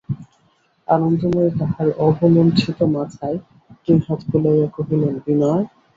আনন্দময়ী তাহার অবলুণ্ঠিত মাথায় দুই হাত বুলাইয়া কহিলেন, বিনয়!